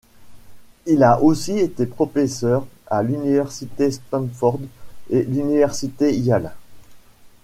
Il a aussi été professeur à l'université Stanford et l'université Yale.